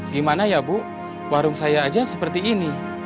gimana ya bu warung saya aja seperti ini